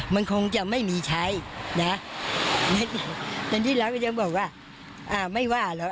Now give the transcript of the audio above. มันคงจะไม่มีใช้เนี่ยแต่นี่แล้วก็จะบอกว่าอ่าไม่ว่าหรอก